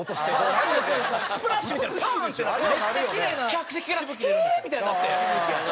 客席が「ヒイー！」みたいになって。